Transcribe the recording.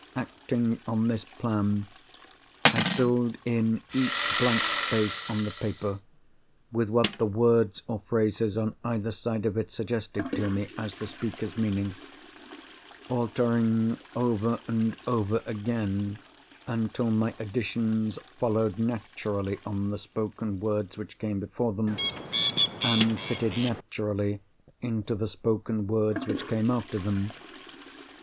Acting on this plan, I filled in each blank space on the paper, with what the words or phrases on either side of it suggested to me as the speaker's meaning; altering over and over again, until my additions followed naturally on the spoken words which came before them, and fitted naturally into the spoken words which came after them.